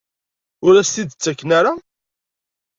Ur as-t-id-ttaken ara?